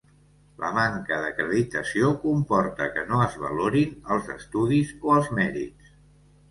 La manca d'acreditació comporta que no es valorin els estudis o els mèrits.